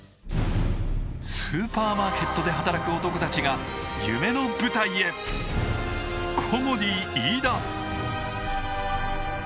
スーパーマーケットで働く男たちが夢の舞台へ、コモディイイダ。